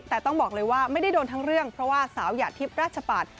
แต่ต้องบอกเลยว่าไม่ได้โดนทั้งเรื่องเพราะว่าสาวหยาดทิพย์ราชปัตย์